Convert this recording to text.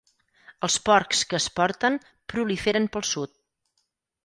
Els porcs que es porten proliferen pel sud.